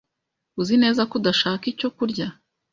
Uzi neza ko udashaka icyo kurya?